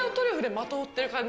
まとっている感じ。